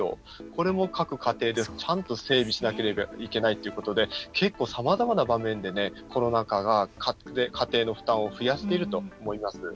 これも各家庭でちゃんと整備しなければいけないということで結構、さまざまな場面でコロナ禍が家庭の負担を増やしていると思います。